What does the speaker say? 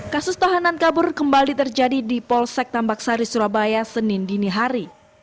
kasus tahanan kabur kembali terjadi di polsek tambak sari surabaya senin dinihari